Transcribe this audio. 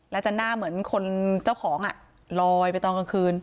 แล้วจะหน้าเหมือนคนเจ้าของลอยไปตอนกลางคืน